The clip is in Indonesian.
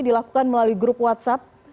dilakukan melalui grup whatsapp